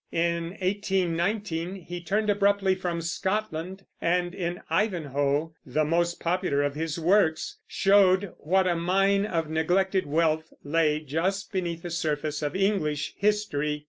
In 1819 he turned abruptly from Scotland, and in Ivanhoe, the most popular of his works, showed what a mine of neglected wealth lay just beneath the surface of English history.